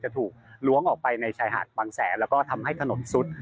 ถูกล้วงออกไปในชายหาดบางแสนแล้วก็ทำให้ถนนซุด